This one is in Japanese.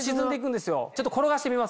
ちょっと転がしてみます